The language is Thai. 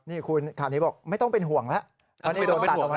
นี่คุณถามนี้บอกไม่ต้องเป็นห่วงแล้ว